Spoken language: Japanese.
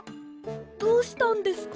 どうしたんですか？